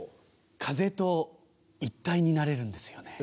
風と一体になれるんですよね。